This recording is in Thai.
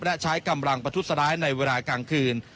และใช้กำลังประทุษร้ายในเวลากลางคืน